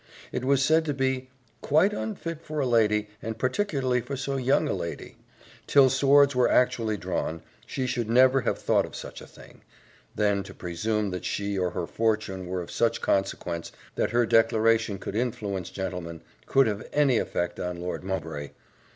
It was said to be "quite unfit for a lady, and particularly for so young a lady. Till swords were actually drawn, she should never have thought of such a thing: then, to presume that she or her fortune were of such consequence, that her declaration could influence gentlemen could have any effect on Lord Mowbray!